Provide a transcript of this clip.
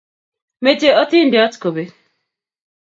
mechei atindiot kobek